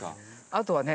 あとはね